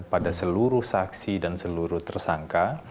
pada seluruh saksi dan seluruh tersangka